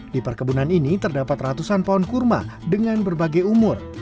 di perkebunan ini terdapat ratusan pohon kurma dengan berbagai umur